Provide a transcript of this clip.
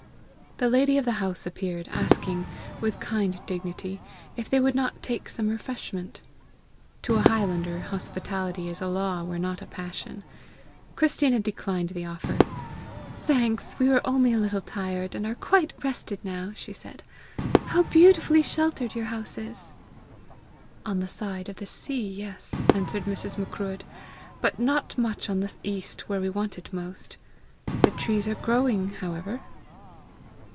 The lady of the house appeared, asking, with kind dignity, if they would not take some refreshment: to a highlander hospitality is a law where not a passion. Christina declined the offer. "Thanks! we were only a little tired, and are quite rested now," she said. "How beautifully sheltered your house is!" "On the side of the sea, yes," answered Mrs. Macruadh; "but not much on the east where we want it most. The trees are growing, however!"